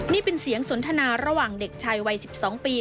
นี่เป็นเสียงสนทนาระหว่างเด็กชายวัย๑๒ปี